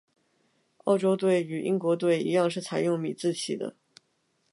澳洲队与英国队一样是采用米字旗的。